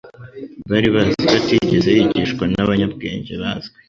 Bari bazi ko atigeze yigishwa n'abanyabwenge bazwi,